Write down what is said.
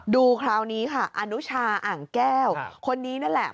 ดูคราวนี้ค่ะอนุชาอ่างแก้วคนนี้นั่นแหละ